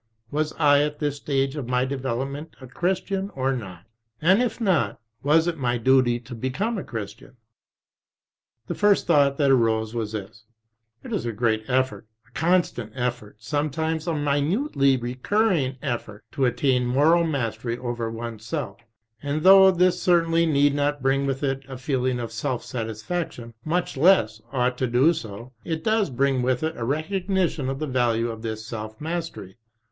Was I, at this stage of my development, a Christian or not? And if not, was It my duty to become a Christian ? The first thought that arose was this: It is a great effort, a constant effort, sometimes a minutely recurring ef fort, to attain moral mastery over one's self, and though this certainly need not bring with it a feeling of self satisfaction, much less ought to do so, it does bring with it a recognition of the value of this self mastery.